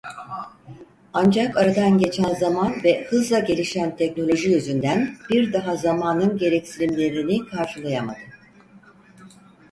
Ancak aradan geçen zaman ve hızla gelişen teknoloji yüzünden bir daha zamanın gereksinimlerini karşılayamadı.